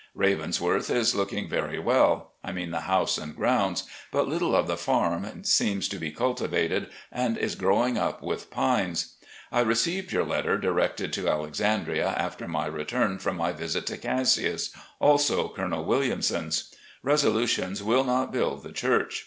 Ravens worth is looking very well — I mean the house and groimds, but little of the farm seems to be cultivated, and is grow ing up with pines. I received yoiir letter directed to Alexandria after my return from my visit to Cassius, also Colonel Williamson's. Resolutions will not build the church.